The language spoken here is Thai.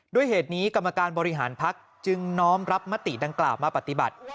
ด้วยเหตุนี้กรรมการบริหารพักจึงน้อมรับมติดังกล่าวมาปฏิบัติ